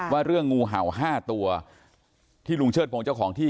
ว่าเรื่องงูเห่า๕ตัวที่ลุงเชิดพงศ์เจ้าของที่